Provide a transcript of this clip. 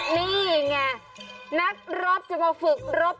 นี่ไงนักรบจะมาฝึกรบ